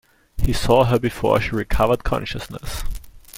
He saw her before she recovered consciousness.